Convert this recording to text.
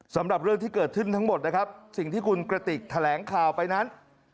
สำหรับเรื่องที่เกิดขึ้นทั้งหมดนะครับสิ่งที่คุณกระติกแถลงข่าวไปนั้น